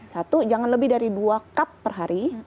satu jangan lebih dari dua cup per hari